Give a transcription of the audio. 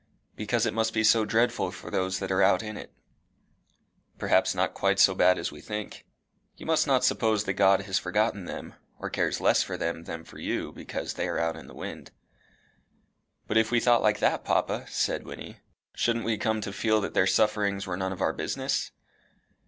"Because it must be so dreadful for those that are out in it." "Perhaps not quite so bad as we think. You must not suppose that God has forgotten them, or cares less for them than for you because they are out in the wind." "But if we thought like that, papa," said Wynnie, "shouldn't we come to feel that their sufferings were none of our business?"